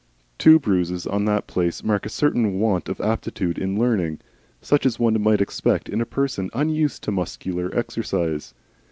Two bruises on that place mark a certain want of aptitude in learning, such as one might expect in a person unused to muscular exercise.